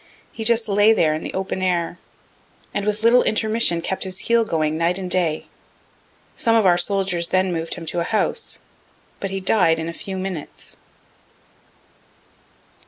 He just lay there in the open air, and with little intermission kept his heel going night and day. Some of our soldiers then moved him to a house, but he died in a few minutes.